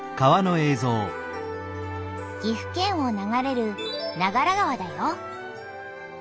岐阜県を流れる長良川だよ。